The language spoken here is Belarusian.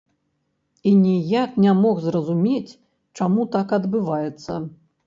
І ніяк не мог зразумець, чаму так адбываецца.